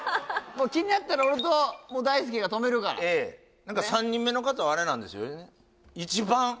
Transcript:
気になったら俺と大輔が止めるから何か３人目の方はあれなんですよね？